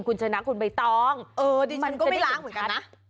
คุณชนะคุณใบตองมันจะได้เห็นชัดเออดิฉันก็ไม่ล้างเหมือนกันนะ